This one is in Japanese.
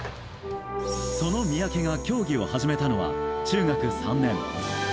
その三宅が競技を始めたのは中学３年。